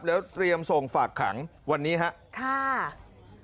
แล้วเตรียมส่งฝากขังวันนี้ครับ